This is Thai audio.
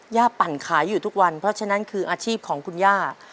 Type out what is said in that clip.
ปั่นขายอยู่ทุกวันเพราะฉะนั้นคืออาชีพของคุณย่า